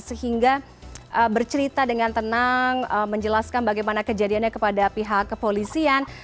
sehingga bercerita dengan tenang menjelaskan bagaimana kejadiannya kepada pihak kepolisian